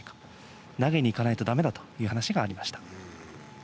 投げに行かないと、だめだという話がありました。